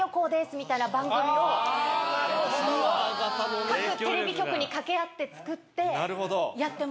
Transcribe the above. みたいな番組を各テレビ局に掛け合って作ってやってもらう。